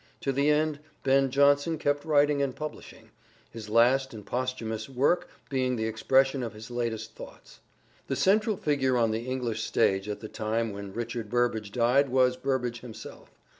To the end Ben Jonson kept writing and publishing : his last and posthumous work being the expression of his latest thoughts. The central figure on the English stage at the time when Richard Burbage died was Burbage himself.